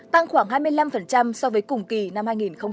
tăng khoảng hai mươi năm so với cùng kỳ năm hai nghìn một mươi tám